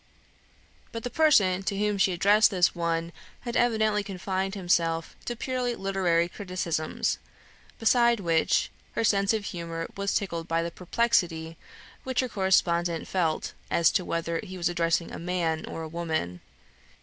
But the person to whom she addressed this one had evidently confined himself to purely literary criticisms, besides which, her sense of humour was tickled by the perplexity which her correspondent felt as to whether he was addressing a man or a woman.